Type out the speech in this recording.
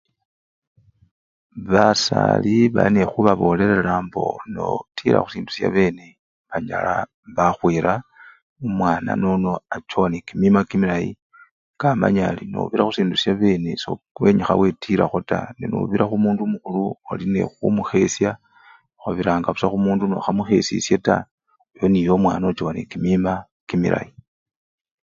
Basali baline khubabolelela mbo notila khusindu shabene banyala bakhwira, omwana nono achowa nekimima kimilayi kamanya ali nobira khusindu shabene sowenyikha wetilakho taa no nobira khumundu umukhulu oline khumukhesha khabiranga khumundu busa no khamukhesishe taa oyo niyo omwana ochowa nekimima kimilayi.